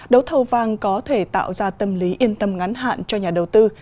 đấu thầu vàng có thể tạo ra tâm lý yên tâm ngắn hạn cho nhà đầu tư